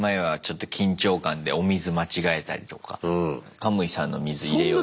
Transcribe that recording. カムイさんの水入れようとして。